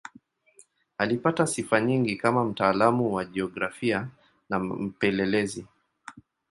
Alipata sifa nyingi kama mtaalamu wa jiografia na mpelelezi.